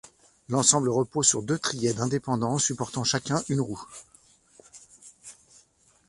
L’ensemble repose sur deux trièdres indépendants supportant chacun une roue.